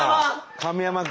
神山君。